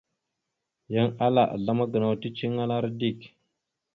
Yan ala azlam gənaw ticeliŋalara dik.